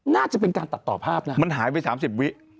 น่าจะเป็นการตัดต่อภาพนะมันหายไป๓๐วิ